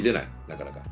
なかなか。